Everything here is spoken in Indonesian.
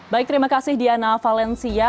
baik terima kasih diana valencia